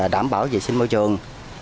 đảm bảo vệ sinh môi trường